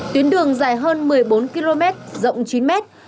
tuyến đường dài hơn một mươi bốn km rộng chín mét